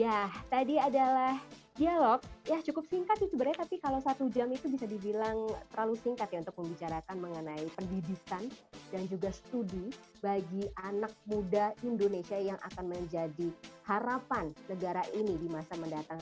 ya tadi adalah dialog ya cukup singkat ya sebenarnya tapi kalau satu jam itu bisa dibilang terlalu singkat ya untuk membicarakan mengenai pendidikan dan juga studi bagi anak muda indonesia yang akan menjadi harapan negara ini di masa mendatang